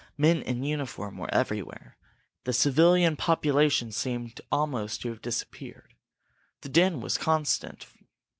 Men in uniform were everywhere; the civilian population seemed almost to have disappeared. The din was constant.